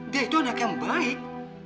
dia itu anak yang baik